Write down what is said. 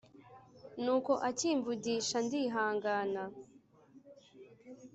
nuko akimvugisha ndihangana